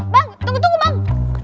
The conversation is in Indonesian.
bang tunggu tunggu bang